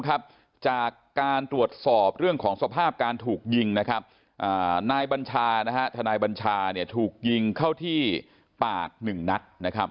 การตรวจสอบเรื่องของสภาพการถูกยิงทนายบัญชาถูกยิงเข้าที่ปาก๑นัด